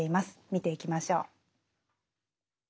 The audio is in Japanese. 見ていきましょう。